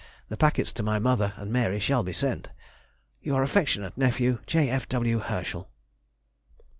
The packets to my mother and Mary shall be sent.... Your affectionate nephew, J. F. W. HERSCHEL.